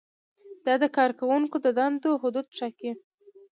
دا د کارکوونکو د دندو حدود ټاکي.